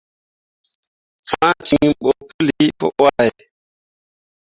Fãa ciŋ ɓo puli pu wahbe.